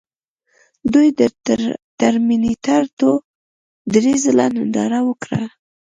دوی د ټرمینیټر ټو درې ځله ننداره وکړه